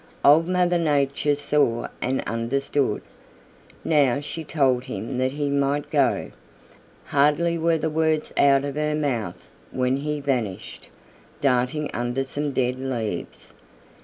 Old Mother Nature saw and understood. Now she told him that he might go. Hardly were the words out of her mouth when he vanished, darting under some dead leaves.